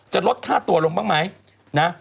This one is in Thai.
จะลดค่าตัวลงบ้างไหม